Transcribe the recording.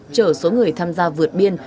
chở số người tham gia vượt biên